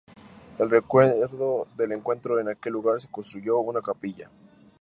En recuerdo del encuentro, en aquel lugar se construyó una capilla.